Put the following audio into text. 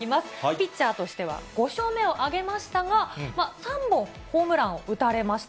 ピッチャーとしては５勝目を挙げましたが、３本ホームランを打たれました。